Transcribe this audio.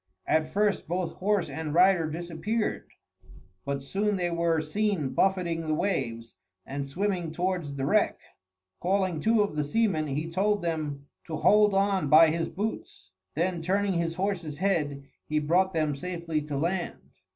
At first both horse and rider disappeared; but soon they were seen buffeting the waves, and swimming towards the wreck. Calling two of the seamen, he told them to hold on by his boots; then turning his horse's head, he brought them safely to land.